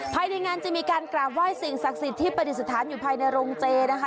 ภายในงานจะมีการกราบไหว้สิ่งศักดิ์สิทธิ์ที่ปฏิสถานอยู่ภายในโรงเจนะคะ